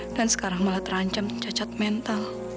dan sekarang malah terancam cacat mental